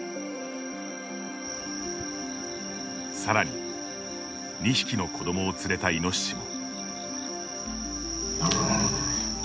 さらに２匹の子どもを連れたイノシシも。